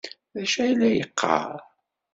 D acu ay la yeqqar?